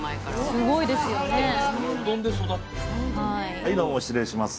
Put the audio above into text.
はいどうも失礼します。